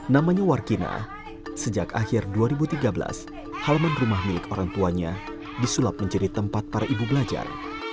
namanya warkina sejak akhir dua ribu tiga belas halaman rumah milik orang tuanya disulap menjadi tempat para ibu belajar